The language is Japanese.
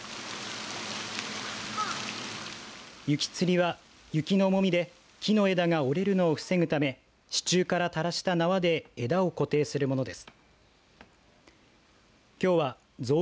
雪吊りは雪の重みで木の枝が折れるのを防ぐため支柱から垂らしたひもで枝を固定するものです。